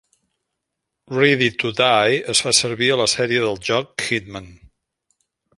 Ready to Die es fa servir a la sèrie del joc Hitman.